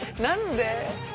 何で？